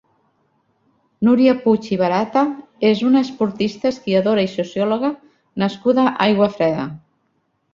Núria Puig i Barata és una esportista, esquiadora i sociòloga nascuda a Aiguafreda.